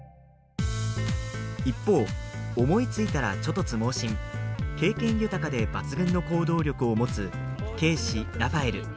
一方、思いついたら、ちょ突猛進経験豊かで抜群の行動力を持つ警視ラファエル。